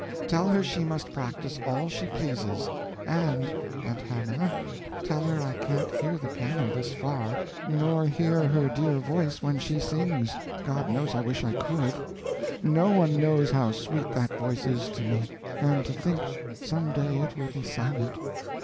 Tell her she must practice all she pleases; and, Aunt Hannah tell her I can't hear the piano this far, nor her dear voice when she sings: God knows I wish I could. No one knows how sweet that voice is to me; and to think some day it will be silent!